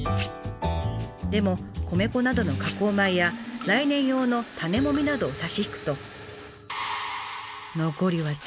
でも米粉などの加工米や来年用の種もみなどを差し引くと残りは０。